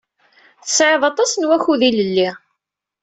Tesɛiḍ aṭas n wakud ilelli.